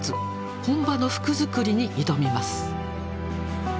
本場の服作りに挑みます。